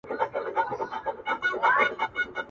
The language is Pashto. ساقي زده له صراحي مي د زړه رازکی،